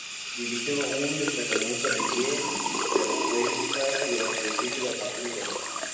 Dirigió un destacamento en Pie de la Cuesta durante el Sitio de Acapulco.